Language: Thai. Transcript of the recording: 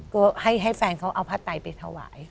ก็ให้แฟนเขาเอาผ้าไตไปถวาย